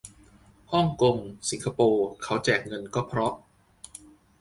ฮ่องกง สิงคโปร์ เขาแจกเงิน ก็เพราะ